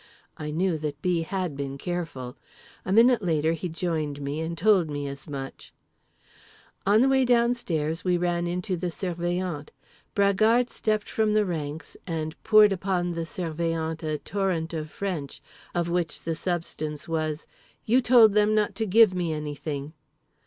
I knew that B. had been careful. A minute later he joined me, and told me as much…. On the way downstairs we ran into the Surveillant. Bragard stepped from the ranks and poured upon the Surveillant a torrent of French, of which the substance was: you told them not to give me anything.